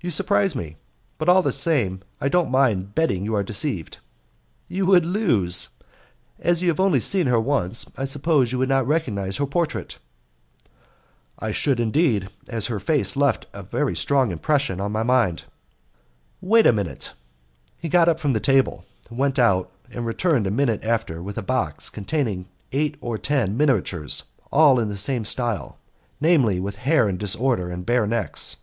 "You surprise me; but all the same I don't mind betting you are deceived." "You would lose. As you have only seen her once, I suppose you would not recognize her portrait?" "I should, indeed, as her face left a strong impression on my mind." "Wait a minute." He got up from the table, went out, and returned a minute after with a box containing eight or ten miniatures, all in the same style, namely, with hair in disorder and bare necks.